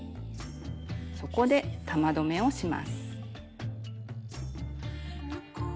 そこで玉留めをします。